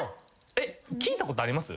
聞いたことあります？